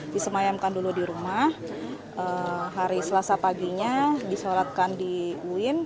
disemayamkan dulu di rumah hari selasa paginya disolatkan di uin